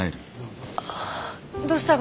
どうしたが？